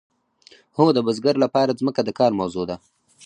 هو د بزګر لپاره ځمکه د کار موضوع ده.